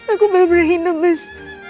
aku berpura pura hina mas